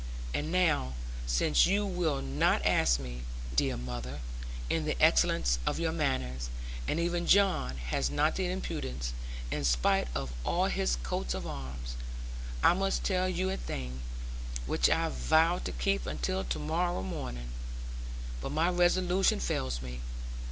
And now, since you will not ask me, dear mother, in the excellence of your manners, and even John has not the impudence, in spite of all his coat of arms I must tell you a thing, which I vowed to keep until tomorrow morning; but my resolution fails me.